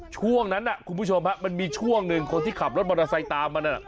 ช่วงนั้นคุณผู้ชมฮะมันมีช่วงหนึ่งคนที่ขับรถมอเตอร์ไซค์ตามมานั่น